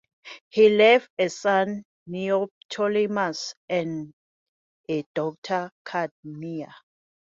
He left a son, Neoptolemus, and a daughter, Cadmea.